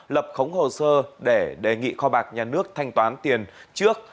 lập khống hồ sơ để đề nghị kho bạc nhà nước thanh toán tiền trước